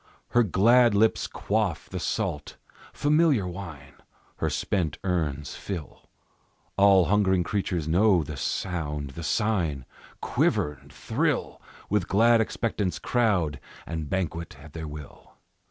Her glad lips quaff the salt, familiar wine; Her spent urns fill; All hungering creatures know the sound, the sign, Quiver and thrill, With glad expectance crowd and banquet at their will.